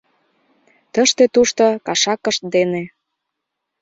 Тыште-тушто кашакышт дене